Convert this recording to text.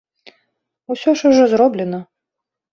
Усё ж ужо зроблена.